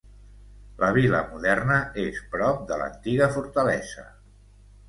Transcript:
La vila moderna és prop de l'antiga fortalesa.